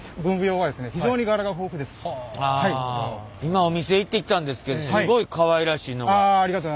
今お店行ってきたんですけどすごいかわいらしいのがありました。